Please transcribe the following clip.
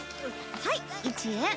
はい１円。